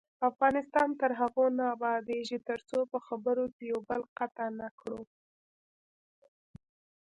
افغانستان تر هغو نه ابادیږي، ترڅو په خبرو کې یو بل قطع نکړو.